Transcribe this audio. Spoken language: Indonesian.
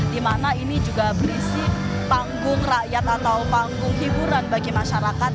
di mana ini juga berisi panggung rakyat atau panggung hiburan bagi masyarakat